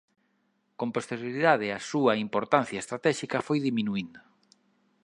Con posterioridade a súa importancia estratéxica foi diminuíndo.